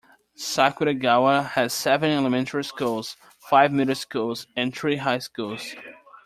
Sakuragawa has seven elementary schools, five middle schools and three high schools.